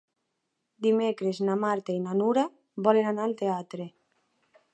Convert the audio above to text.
Dimecres na Marta i na Nura volen anar al teatre.